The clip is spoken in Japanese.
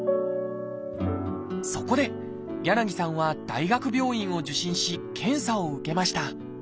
そこで柳さんは大学病院を受診し検査を受けました。